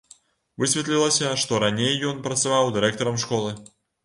Высветлілася, што раней ён працаваў дырэктарам школы.